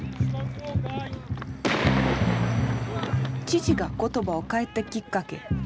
父が言葉を変えたきっかけ。